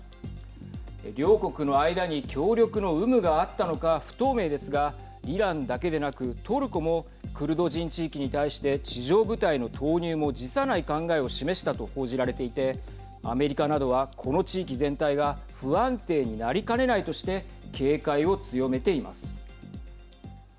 両国の間に協力の有無があったのか不透明ですがイランだけでなく、トルコもクルド人地域に対して地上部隊の投入も辞さない考えを示したと報じられていてアメリカなどは、この地域全体が不安定になりかねないとして警戒を強めています。